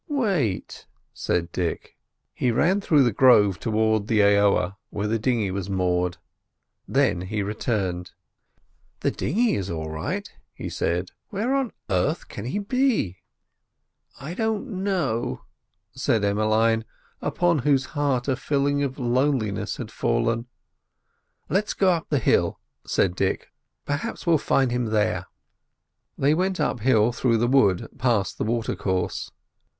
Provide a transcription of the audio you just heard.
"Wait," said Dick. He ran through the grove towards the aoa where the dinghy was moored; then he returned. "The dinghy is all right," he said. "Where on earth can he be?" "I don't know," said Emmeline, upon whose heart a feeling of loneliness had fallen. "Let's go up the hill," said Dick; "perhaps we'll find him there." They went uphill through the wood, past the water course.